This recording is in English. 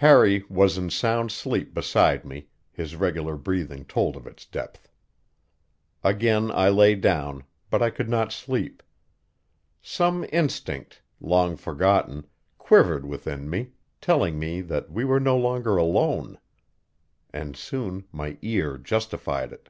Harry was in sound sleep beside me; his regular breathing told of its depth. Again I lay down, but I could not sleep. Some instinct, long forgotten, quivered within me, telling me that we were no longer alone. And soon my ear justified it.